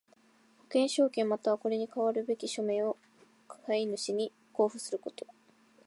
保険証券又はこれに代わるべき書面を買主に交付すること。